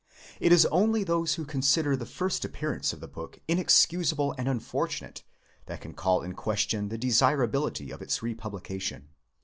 It is only those who consider the first appearance of the book in excusable and unfortunate that can call in question the desirability of its republication.